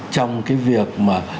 trong cái việc mà